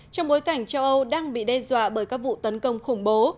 trong bối cảnh châu âu đang bị đe dọa bởi các vụ tấn công khủng bố